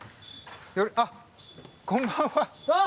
あっこんばんは。